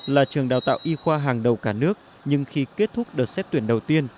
là trường đào tạo y khoa hàng đầu cả nước nhưng khi kết thúc đợt xét tuyển đầu tiên